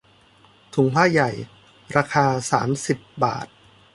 ถุงผ้าใหญ่ ราคาสามสิบบาท